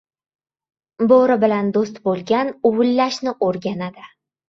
• Bo‘ri bilan do‘st bo‘lgan uvillashni o‘rganadi.